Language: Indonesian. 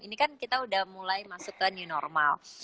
ini kan kita udah mulai masuk ke new normal